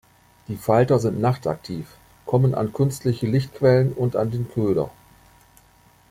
Die Falter sind nachtaktiv, kommen an künstliche Lichtquellen und an den Köder.